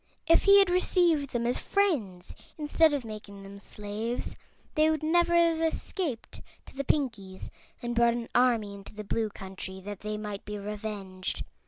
If he had received them as friends instead of making them slaves, they would never have escaped to the Pinkies and brought an army into the Blue Country, that they might be revenged.